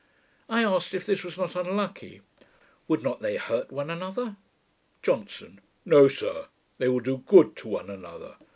I asked if this was not unlucky: would not they hurt one another? JOHNSON. 'No, sir. They will do good to one another.